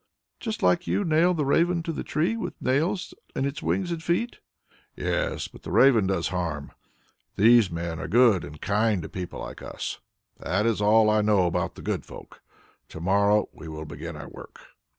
"Just like you nailed the raven to the tree with nails in its wings and feet." "Yes. But the raven does harm, but those men were good and kind to people like us. That is all I know about the good folk. To morrow we will begin our work."